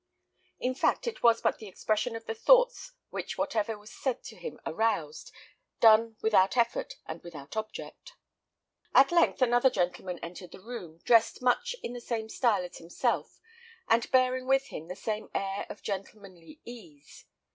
In fact, it was but the expression of the thoughts which whatever was said to him aroused, done without effort and without object. At length another gentleman entered the room, dressed much in the same style as himself, and bearing with him the same air of gentlemanly ease.